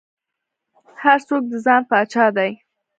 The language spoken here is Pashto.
هر څوک د ځان پاچا دى.